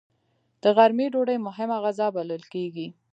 د غرمنۍ ډوډۍ مهمه غذا بلل کېږي